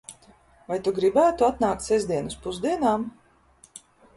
Vai tu gribētu atnākt sestdien uz pusdienām?